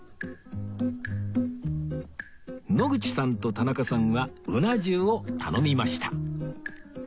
野口さんと田中さんは鰻重を頼みました